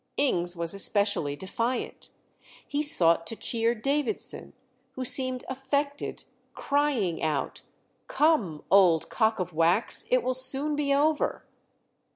Ings was especially defiant. He sought to cheer Davidson, who seemed affected, crying out, "Come, old cock of wax, it will soon be over."